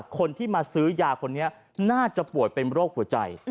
คนที่มาซื้อยาคนนี้น่าจะป่วยเป็นโรคหัวใจ